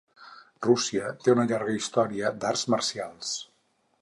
Rússia té una llarga historial d'arts marcials.